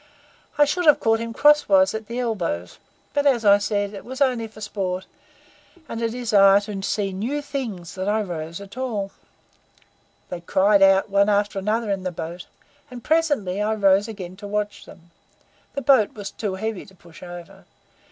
I should have caught him cross wise at the elbows; but, as I said, it was only for sport and desire to see new things that I rose at all. They cried out one after another in the boat, and presently I rose again to watch them. The boat was too heavy to push over.